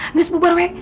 nggak sebuah rewek